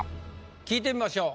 聞いてみましょう。